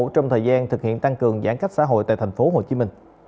trong thời gian thực hiện tăng cường giãn cách xã hội tại tp hcm